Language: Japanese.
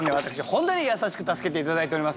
本当に優しく助けて頂いております